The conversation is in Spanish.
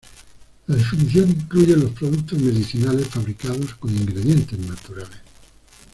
La definición incluye los productos medicinales fabricados con ingredientes naturales.